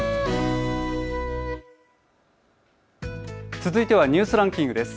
続いてはニュースランキングです。